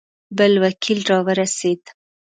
بل وکیل را ورسېد.